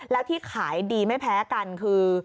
แล้วที่ขายดีไม่แพ้กันคือ